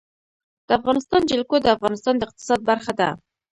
د افغانستان جلکو د افغانستان د اقتصاد برخه ده.